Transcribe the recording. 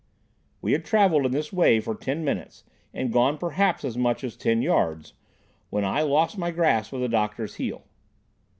We had travelled in this way for ten minutes, and gone perhaps as much as ten yards, when I lost my grasp of the doctor's heel.